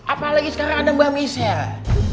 apalagi sekarang ada mbak misha